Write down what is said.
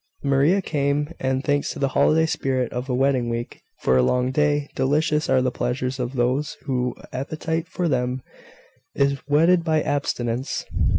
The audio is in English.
Maria came, and, thanks to the holiday spirit of a wedding week, for a long day. Delicious are the pleasures of those whose appetite for them is whetted by abstinence.